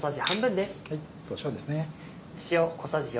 塩ですね。